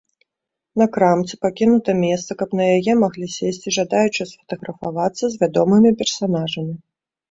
На крамцы пакінута месца, каб на яе маглі сесці жадаючыя сфатаграфавацца з вядомымі персанажамі.